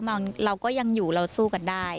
เราก็ยังอยู่เราสู้กันได้